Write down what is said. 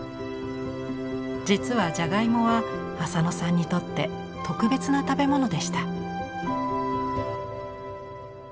実はじゃがいもは浅野さんにとって特別な食べ物でした。